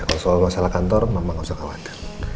kalau soal masalah kantor mama gak usah khawatir